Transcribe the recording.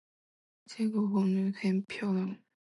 這個授權其實很久了